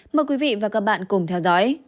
mời quý vị và các bạn cùng theo dõi